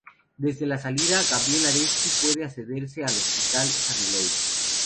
Desde la salida "Gabriel Aresti" puede accederse al Hospital San Eloy.